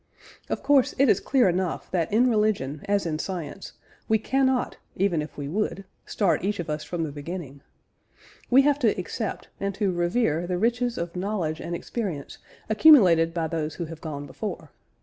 Of course, it is clear enough, that in religion as in science, we cannot, even if we would, start each of us from the beginning. We have to accept and to revere the riches of knowledge and experience accumulated by those who have gone before.